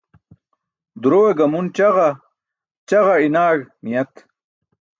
Durowe gamun ćaġa, ćaġa iṅaẏ niyat